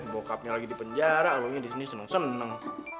bokapnya lagi di penjara alunya disini seneng seneng